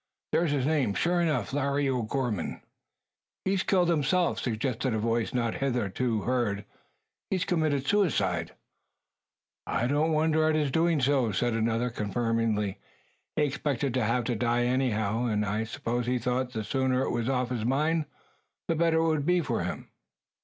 "There's his name, sure enough, Larry O'Gorman." "He's killed himself!" suggested a voice not hitherto heard. "He's committed suicide!" "I don't wonder at his doing so," said another, confirmingly. "He expected to have to die anyhow; and I suppose he thought the sooner it was off his mind the better it would be for him."